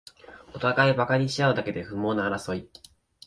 おたがいバカにしあうだけで不毛な争い